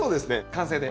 完成で。